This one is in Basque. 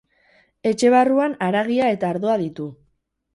Etxe barruan haragia eta ardoa ditu.